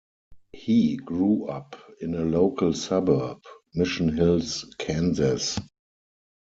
He grew up in a local suburb, Mission Hills, Kansas.